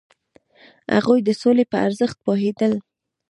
هغوی د سولې په ارزښت پوهیدل.